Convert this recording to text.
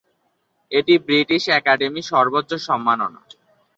এটি British Academy সর্বোচ্চ সম্মাননা।